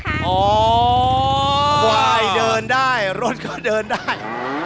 ควายเดินได้รถก็เดินได้